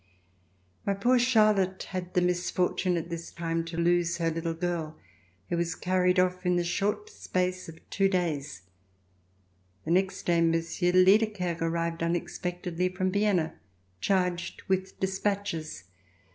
My poor Charlotte had the misfortune at this time to lose her little girl who was carried off in the short space of two days. The next day. Monsieur de Liede C 396 ]" THE FIRST RESTORATION kerke arrived unexpectedly from Vienna charged with dispatches.